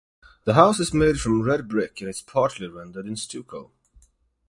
The house is made from red brick and is partly rendered in stucco.